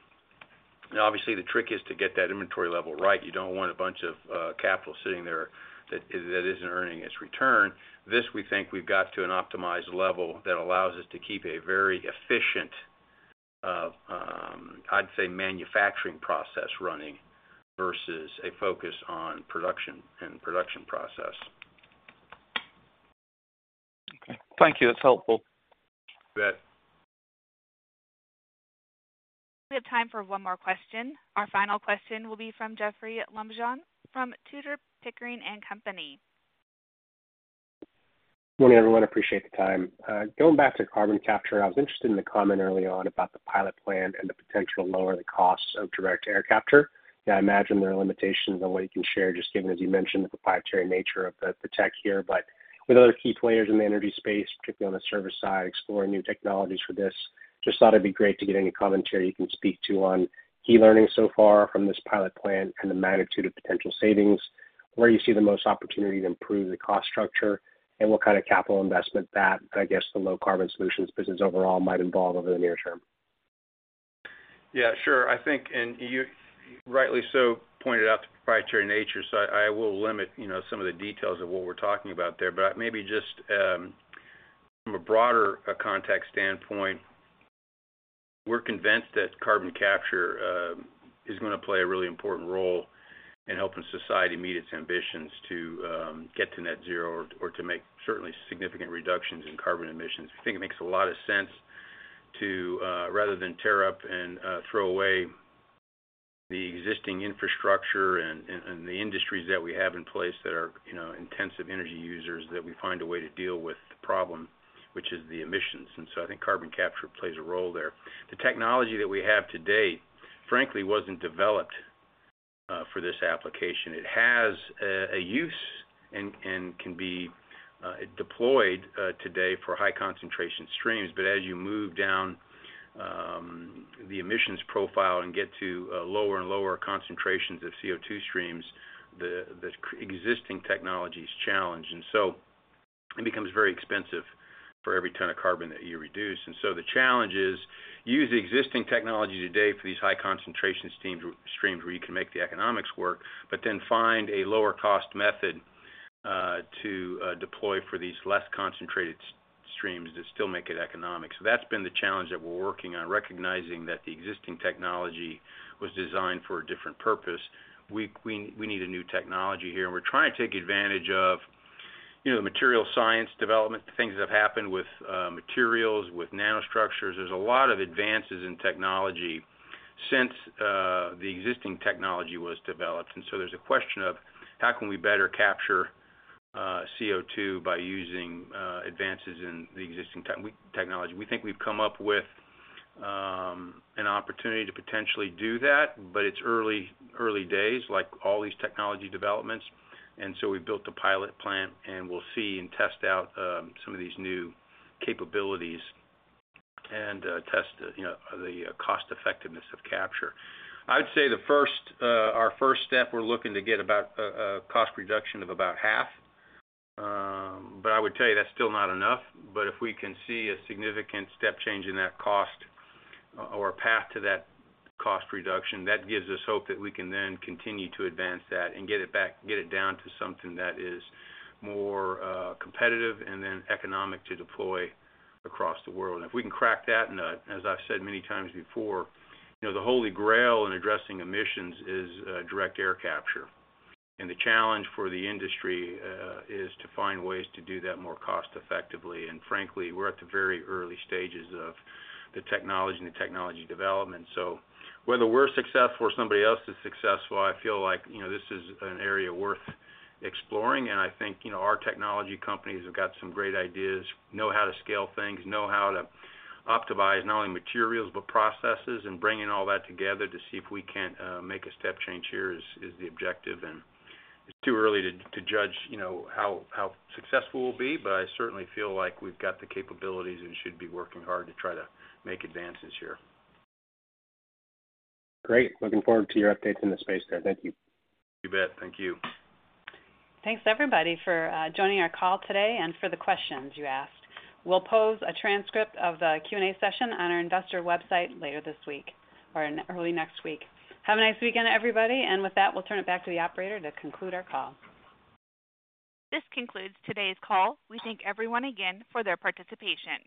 Obviously, the trick is to get that inventory level right. You don't want a bunch of capital sitting there that isn't earning its return. This, we think we've got to an optimized level that allows us to keep a very efficient, I'd say, manufacturing process running versus a focus on production and production process. Okay. Thank you. That's helpful. You bet. We have time for one more question. Our final question will be from Jeoffrey Lambujon from Tudor, Pickering, Holt & Co. Morning, everyone. I appreciate the time. Going back to carbon capture, I was interested in the comment early on about the pilot plan and the potential to lower the costs of direct air capture. I imagine there are limitations on what you can share, just given, as you mentioned, the proprietary nature of the, the tech here. But with other key players in the energy space, particularly on the service side, exploring new technologies for this, just thought it'd be great to get any commentary you can speak to on key learnings so far from this pilot plan and the magnitude of potential savings, where you see the most opportunity to improve the cost structure, and what kind of capital investment that, I guess, the low-carbon solutions business overall might involve over the near term. Yeah, sure. I think, and you rightly so pointed out the proprietary nature, so I will limit, you know, some of the details of what we're talking about there. But maybe just from a broader context standpoint, we're convinced that carbon capture is going to play a really important role in helping society meet its ambitions to get to net zero or to make certainly significant reductions in carbon emissions. I think it makes a lot of sense to rather than tear up and throw away the existing infrastructure and the industries that we have in place that are, you know, intensive energy users, that we find a way to deal with the problem, which is the emissions. And so I think carbon capture plays a role there. The technology that we have today, frankly, wasn't developed for this application. It has a use and can be deployed today for high concentration streams. But as you move down the emissions profile and get to lower and lower concentrations of CO2 streams, the existing technology is challenged, and so it becomes very expensive for every ton of carbon that you reduce. And so the challenge is use the existing technology today for these high concentration streams, streams where you can make the economics work, but then find a lower cost method to deploy for these less concentrated streams that still make it economic. So that's been the challenge that we're working on, recognizing that the existing technology was designed for a different purpose. We need a new technology here, and we're trying to take advantage of, you know, material science development, things that have happened with materials, with nanostructures. There's a lot of advances in technology since the existing technology was developed, and so there's a question of how can we better capture CO2 by using advances in the existing technology? We think we've come up with an opportunity to potentially do that, but it's early days, like all these technology developments, and so we built a pilot plant, and we'll see and test out some of these new capabilities and test the, you know, the cost effectiveness of capture. I'd say the first, our first step, we're looking to get about a cost reduction of about 50%. But I would tell you that's still not enough. But if we can see a significant step change in that cost or path to that cost reduction, that gives us hope that we can then continue to advance that and get it down to something that is more competitive and then economic to deploy across the world. And if we can crack that nut, as I've said many times before, you know, the holy grail in addressing emissions is direct air capture. And the challenge for the industry is to find ways to do that more cost effectively. And frankly, we're at the very early stages of the technology and the technology development. So whether we're successful or somebody else is successful, I feel like, you know, this is an area worth exploring, and I think, you know, our technology companies have got some great ideas, know how to scale things, know how to optimize not only materials, but processes and bringing all that together to see if we can't make a step change here is the objective. And it's too early to judge, you know, how successful we'll be, but I certainly feel like we've got the capabilities and should be working hard to try to make advances here. Great. Looking forward to your updates in the space there. Thank you. You bet. Thank you. Thanks, everybody, for joining our call today and for the questions you asked. We'll post a transcript of the Q&A session on our investor website later this week or in early next week. Have a nice weekend, everybody. And with that, we'll turn it back to the operator to conclude our call. This concludes today's call. We thank everyone again for their participation.